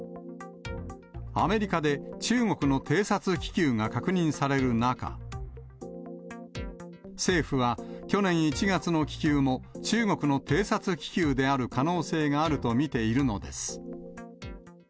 アメリカで中国の偵察気球が確認される中、政府は、去年１月の気球も、中国の偵察気球である可能性があると見ているのです。